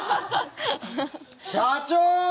社長！